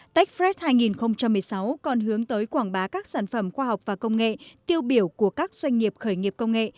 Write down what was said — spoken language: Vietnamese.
techfred hai nghìn một mươi sáu còn hướng tới quảng bá các sản phẩm khoa học và công nghệ tiêu biểu của các doanh nghiệp khởi nghiệp công nghệ